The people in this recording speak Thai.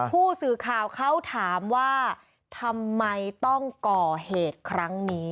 ผู้สื่อข่าวเขาถามว่าทำไมต้องก่อเหตุครั้งนี้